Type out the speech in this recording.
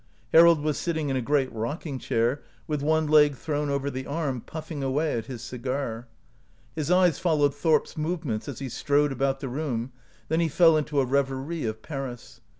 Harold was sitting in a great rocking chair, with one leg thrown over the arm, puffing away at his cigar. His eyes followed Thorp's movements as he strode about the room, then he fell into a reverie of Paris.